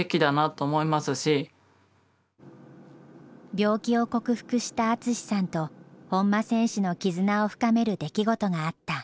病気を克服した淳さんと本間選手の絆を深める出来事があった。